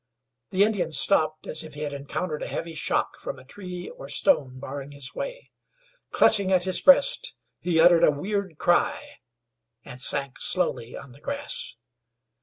The Indian stopped as if he had encountered a heavy shock from a tree or stone barring his way. Clutching at his breast, he uttered a weird cry, and sank slowly on the grass.